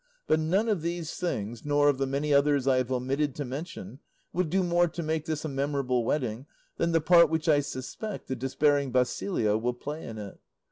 But none of these things, nor of the many others I have omitted to mention, will do more to make this a memorable wedding than the part which I suspect the despairing Basilio will play in it.